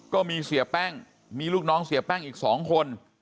ก็มีเสียแป้งมีลูกน้องเสียแป้งอีก๒คน